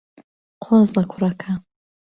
قۆزە کوڕەکە.